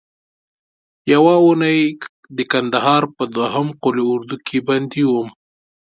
یوه اونۍ د کندهار په دوهم قول اردو کې بندي وم.